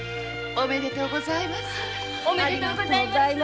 ありがとうございます。